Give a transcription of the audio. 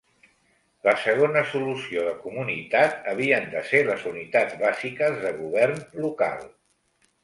La segona solució de comunitat havien de ser les unitats bàsiques de govern local.